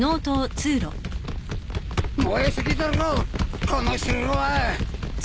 燃えすぎだろこの城は！